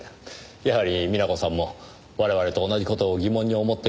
やはり美奈子さんも我々と同じ事を疑問に思っていたようですね。